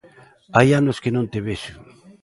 Hai anos que non te vexo.